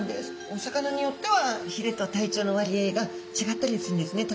お魚によってはひれと体長の割合が違ったりするんですね。